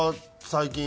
最近。